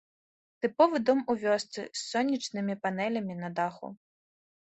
Тыповы дом у вёсцы з сонечнымі панэлямі на даху.